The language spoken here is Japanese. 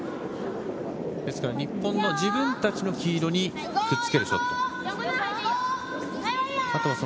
日本の自分たちの黄色にくっつけるショット。